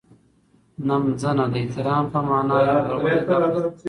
نمځنه د احترام په مانا یو لرغونی لفظ دی.